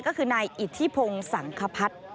ก็คือนายอิทธิพงศ์สังคพัฒน์